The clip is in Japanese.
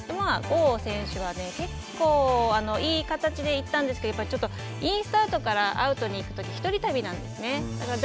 郷選手は結構いい形で行ったんですけどインスタートからアウトに行くとき一人旅なんですね。